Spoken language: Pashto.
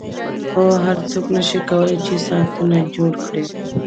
خو هر څوک نشي کولای چې ساعتونه جوړ کړي